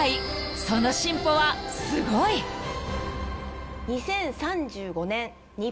その進歩はすごい］えっ！？